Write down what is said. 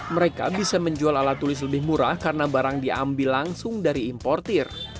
mereka bisa menjual alat tulis lebih murah karena barang diambil langsung dari importir